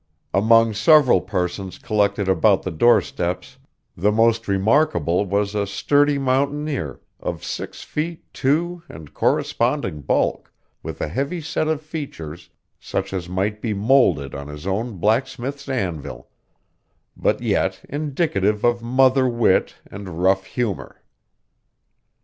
Among several persons collected about the doorsteps, the most remarkable was a sturdy mountaineer, of six feet two and corresponding bulk, with a heavy set of features, such as might be moulded on his own blacksmith's anvil, but yet indicative of mother wit and rough humor.